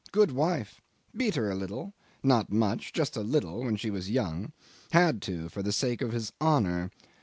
Good wife. Beat her a little not much just a little, when she was young. Had to for the sake of his honour.